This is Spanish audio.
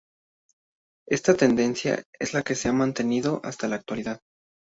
Esta tendencia es la que se ha mantenido hasta la actualidad.